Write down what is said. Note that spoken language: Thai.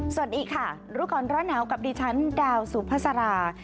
สวัสดีค่ะรู้ก่อนร้อนหนาวกับดิฉันดาวสุภาษารา